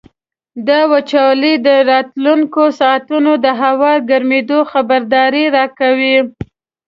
دا وچوالی د راتلونکو ساعتونو د هوا ګرمېدو خبرداری راکاوه.